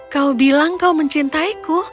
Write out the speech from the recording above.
kau bilang kau mencintaiku